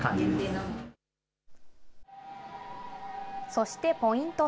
そしてポイント